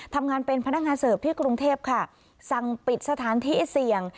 ทำงานเป็นพนักงานเสิร์ฟที่กรุงเทพค่ะสั่งปิดสถานที่เสี่ยง